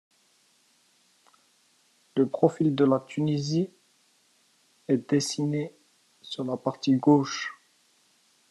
Le profil de la Tunisie est dessiné sur la partie gauche.